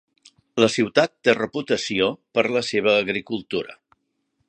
La ciutat té reputació per la seva agricultura.